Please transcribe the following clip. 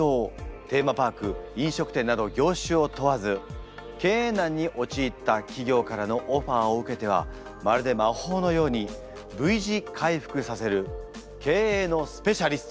テーマパーク飲食店など業種を問わず経営難におちいった企業からのオファーを受けてはまるで魔法のようにＶ字回復させる経営のスペシャリスト。